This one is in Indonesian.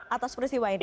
atas persiwa ini